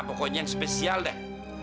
pokoknya yang spesial deh